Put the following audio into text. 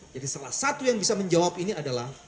jadi salah satu yang bisa menjawab ini adalah